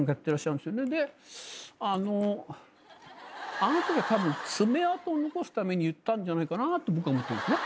あのあのときはたぶん爪痕を残すために言ったんじゃないかなと僕は思ってんですね。